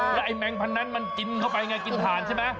แล้วไอ้แมงพันนั้นมันกินเข้าไปไงกินถ่านใช่ไหม